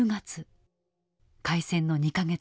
開戦の２か月前。